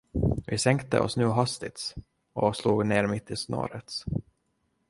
Vi sänkte oss nu hastigt och slog ner mitt i snåret.